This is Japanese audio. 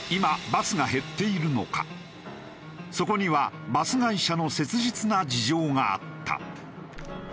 そこにはバス会社の切実な事情があった。